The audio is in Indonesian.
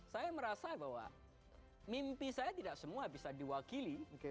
saya merasa bahwa mimpi saya tidak semua bisa diwakili